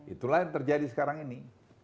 itulah yang terjadi sekarang ini